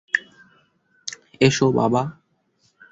এসো, বাবা!